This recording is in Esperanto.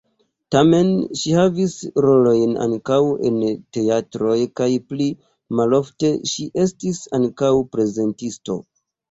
Tamen ŝi havis rolojn ankaŭ en teatroj kaj pli malofte ŝi estis ankaŭ prezentisto.